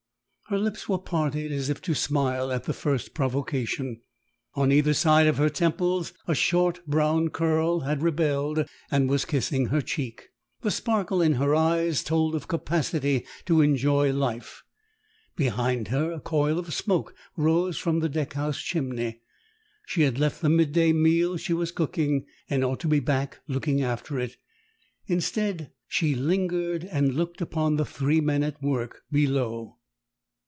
Her lips were parted as if to smile at the first provocation. On either side of her temples a short brown curl had rebelled and was kissing her cheek. The sparkle in her eyes told of capacity to enjoy life. Behind her a coil of smoke rose from the deck house chimney. She had left the midday meal she was cooking, and ought to be back looking after it. Instead, she lingered and looked upon the three men at work below.